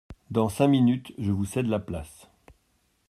Dans cinq minutes je vous cède la place.